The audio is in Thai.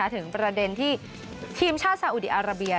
ถึงประเด็นที่ทีมชาติสาอุดีอาราเบีย